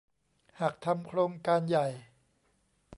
หากทำโครงการใหญ่